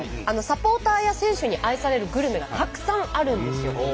サポーターや選手に愛されるグルメがたくさんあるんですよ。